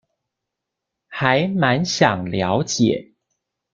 還滿想了解